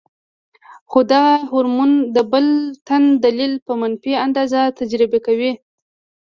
خو دغه هارمون د بل تن دليل پۀ منفي انداز تجزيه کوي -